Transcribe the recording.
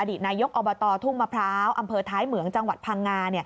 ตนายกอบตทุ่งมะพร้าวอำเภอท้ายเหมืองจังหวัดพังงา